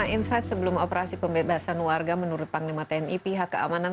masih semua kita di media lihat liveon com sekarang persen jurisdictions '